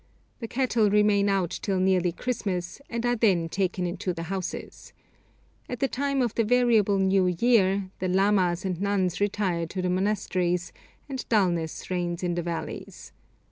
The cattle remain out till nearly Christmas, and are then taken into the houses. At the time of the variable new year, the lamas and nuns retire to the monasteries, and dulness reigns in the valleys.